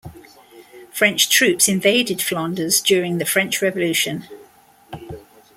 French troops invaded Flanders during the French Revolution.